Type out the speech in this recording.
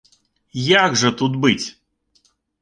Як жа тут быць?